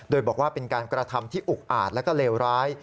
โดยบอกว่าเป็นการกระทำที่อุกอาจแล้วก็เลวร้าย